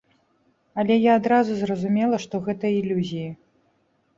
Але я адразу зразумела, што гэта ілюзіі.